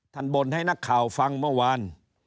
บ่นให้นักข่าวฟังเมื่อวาน